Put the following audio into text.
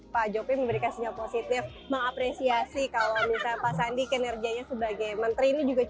pak jokowi memberikan sinyal positif mengapresiasi kalau misalnya pak sandi kinerjanya sebagai menteri ini juga cukup